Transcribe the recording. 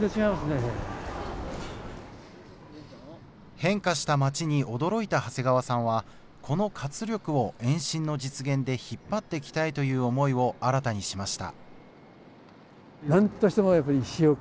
変化した街に驚いた長谷川さんはこの活力を延伸の実現で引っ張ってきたいという思いを新たにしました。